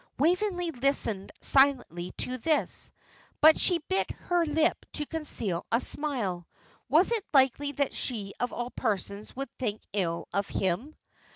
Waveney listened silently to this, but she bit her lip to conceal a smile. Was it likely that she of all persons would think ill of him?